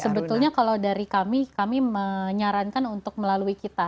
sebetulnya kalau dari kami kami menyarankan untuk melalui kita